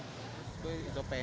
karena memang selama ini